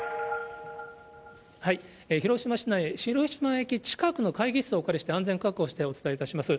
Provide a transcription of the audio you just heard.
広島市内、広島駅近くの会議室をお借りして、安全確保してお伝えいたします。